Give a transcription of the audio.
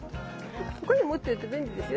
こういうの持ってると便利ですよ。